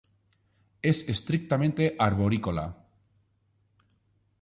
Es estrictamente arborícola.